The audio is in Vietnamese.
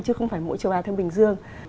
chứ không phải mỗi châu á thái bình dương